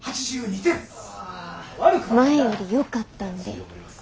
前よりよかったんで。